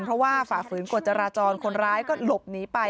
เพราะว่าฝ่าฝืนกฎจราจรคนร้ายก็หลบหนีไป